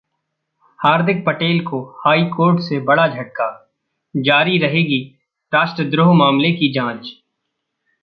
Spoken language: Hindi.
हार्दिक पटेल को हाई कोर्ट से बड़ा झटका, जारी रहेगी राष्ट्रद्रोह मामले की जांच